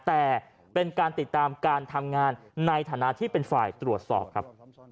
แต่เป็นการติดตามการทำงานในฐานะที่เป็นฝ่ายตรวจสอบครับ